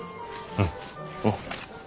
うん。おっ。